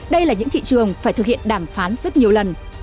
đây là những thị trường phải thực hiện đàm phán rất nhiều lần